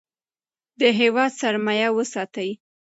د هیواد سرمایه وساتئ.